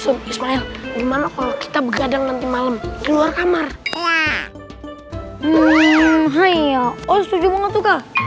sup ismail gimana kalau kita begadang nanti malam keluar kamar ya hai hai ya oh setuju banget juga